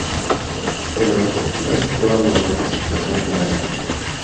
Pero la postura de Esteban logró la aceptación general.